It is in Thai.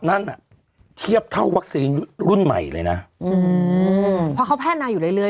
นั่นอ่ะเทียบเท่าวัคซีนรุ่นใหม่เลยนะอืมเพราะเขาพัฒนาอยู่เรื่อย